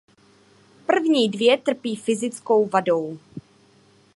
První dvě trpí fyzickou vadou.